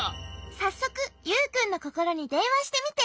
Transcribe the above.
さっそくユウくんのココロにでんわしてみて。